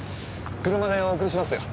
車でお送りしますよ。